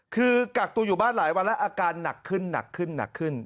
คือกักตัวอยู่บ้านหลายวันแล้วอาการหนักขึ้น